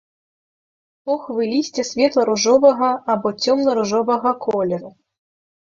Похвы лісця светла-ружовага або цёмна-ружовага колеру.